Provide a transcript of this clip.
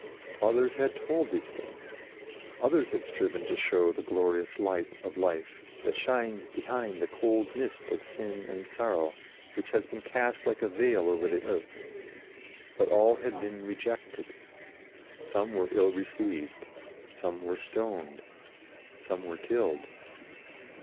Others had told these things; others had striven to show the glorious light of life that shines behind the cold mist of sin and sorrow which has been cast like a veil over the earth; but all had been rejected. Some were ill received; some were stoned; some were killed.